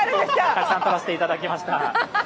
たくさん撮らせていただきました。